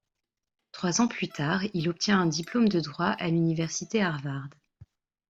Trois ans plus tard, il obtient un diplôme de droit à l'Université Harvard.